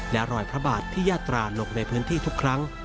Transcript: และรอยพระบาทที่ยาตราลงในพื้นที่ทุกครั้ง